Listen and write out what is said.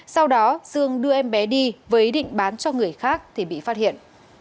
sau đó dương đưa em bé đi với ý định bán cho người khác thì bị phát hiện